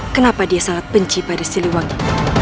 kenapa dia sangat benci pada si lewangi